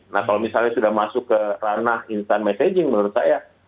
nah kalau misalnya sudah masuk ke ranah instant messaging menurut saya